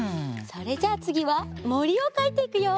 それじゃあつぎはもりをかいていくよ。